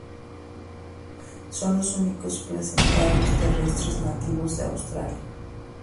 Son los únicos placentarios terrestres nativos de Australia.